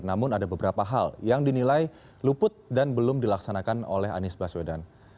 namun ada beberapa hal yang dinilai luput dan belum dilaksanakan oleh anies baswedan